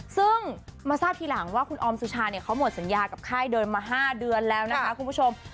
ซึ่งมาทราบทีหลังว่าคุณออมสุชาเนี่ยเขาหมดสัญญากับค่ายเดินมา๕เดือนแล้วนะคะคุณผู้ชม